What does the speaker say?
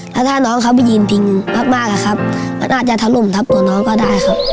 แล้วถ้าน้องเขาไปยืนพิงมากอะครับมันอาจจะถล่มทับตัวน้องก็ได้ครับ